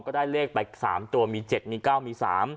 ก็ได้เลขไป๓ตัวมี๗มี๙มี๓